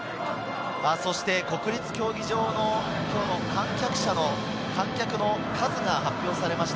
国立競技場の今日の観客の数が発表されました。